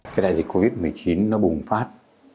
cái đại dịch covid một mươi chín nó bùng phát